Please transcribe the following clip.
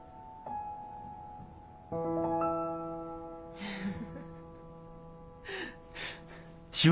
フフフ。